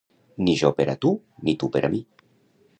Ni jo per a tu, ni tu per a mi.